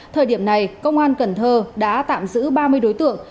thời điểm này công an cần thơ đã tạm giữ ba mươi đối tượng